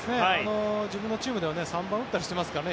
自分のチームでは３番を打ってたりしてますからね